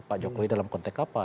pak jokowi dalam konteks apa